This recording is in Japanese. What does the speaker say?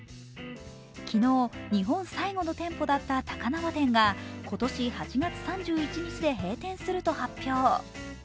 昨日、日本最後の店舗だった高輪店が今年８月３１日で閉店すると発表。